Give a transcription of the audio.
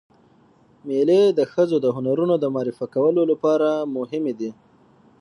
مېلې د ښځو د هنرونو د معرفي کولو له پاره هم مهمې دي.